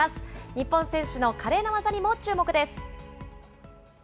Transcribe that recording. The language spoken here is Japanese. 日本選手の華麗な技にも注目です。